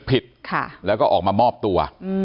ที่มีข่าวเรื่องน้องหายตัว